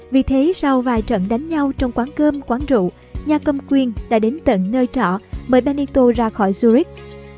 vì thế sau vài trận đánh nhau trong quán cơm quán rượu nhà cầm quyền đã đến tận nơi trọ mời benito ra khỏi zurit